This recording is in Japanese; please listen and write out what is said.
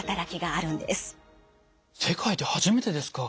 世界で初めてですか。